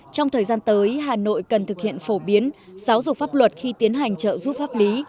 trong thời gian tới hà nội cần thực hiện phổ biến giáo dục pháp luật khi tiến hành trợ giúp pháp lý